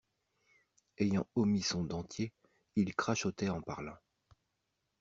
Ayant omis son dentier, il crachotait en parlant.